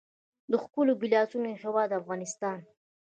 د ښکلو ګیلاسونو هیواد افغانستان.